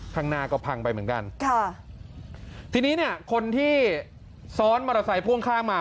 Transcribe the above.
ข้างหน้าก็พังไปเหมือนกันค่ะทีนี้เนี่ยคนที่ซ้อนมอเตอร์ไซค์พ่วงข้างมา